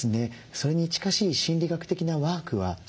それに近しい心理学的なワークは知られています。